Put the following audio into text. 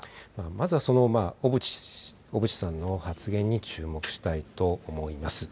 まずは、その小渕さんの発言に注目したいと思います。